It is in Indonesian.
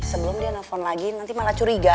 sebelum dia nelfon lagi nanti malah curiga